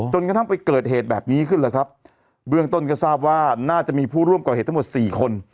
กระทั่งไปเกิดเหตุแบบนี้ขึ้นเลยครับเบื้องต้นก็ทราบว่าน่าจะมีผู้ร่วมก่อเหตุทั้งหมดสี่คน